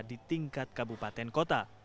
di tingkat kabupaten kota